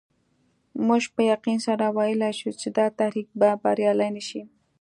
موږ په یقین سره ویلای شو چې دا تحریک به بریالی نه شي.